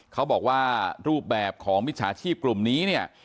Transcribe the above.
เขาบอกว่ารูปแบบของมิจฉาชีพกลุ่มนี้เนี่ย